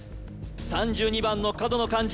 ３２番の角の漢字